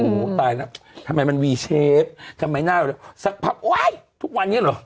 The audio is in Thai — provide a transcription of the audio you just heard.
โอ้โหตายแล้วทำไมมันวีเชฟทำไมหน้าเราสักพักโอ๊ยทุกวันนี้เหรอ